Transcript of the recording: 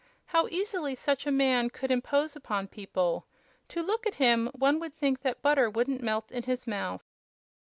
"How easily such a man could impose upon people. To look at him one would think that butter wouldn't melt in his mouth!"